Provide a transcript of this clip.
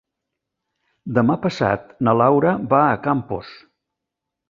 Demà passat na Laura va a Campos.